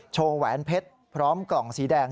แหวนเพชรพร้อมกล่องสีแดง